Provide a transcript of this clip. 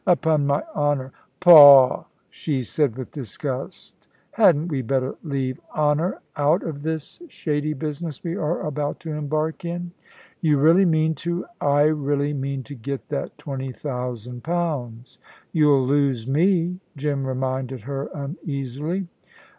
"Upon my honour " "Pah!" she said with disgust. "Hadn't we better leave honour out of this shady business we are about to embark in?" "You really mean to " "I really mean to get that twenty thousand pounds!" "You'll lose me," Jim reminded her uneasily.